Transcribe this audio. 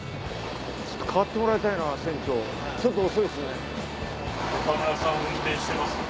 代わってもらいたいな船長ちょっと遅いですね。